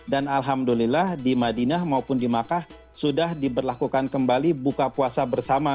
dan alhamdulillah di madinah maupun di makkah sudah diberlakukan kembali buka puasa bersama